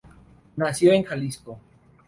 Nació en Jalisco.